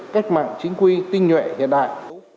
cách mạng chính quy tinh nhuệ hiện đại